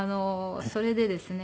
それでですね